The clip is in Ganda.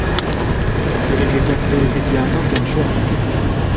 Ppereketya ppereketya mpa ku nswa.